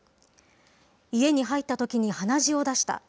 家に入ったときに鼻血を出した。